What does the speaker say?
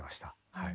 はい。